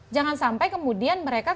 jangan sampai kemudian mereka